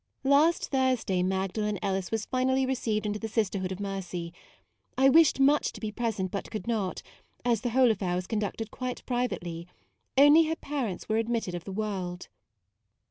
Last Thursday Magdalen Ellis was finally received into the Sisterhood of Mercy. I wished much to be pres ent, but could not, as the whole affair was conducted quite privately ; only her parents were admitted of the world.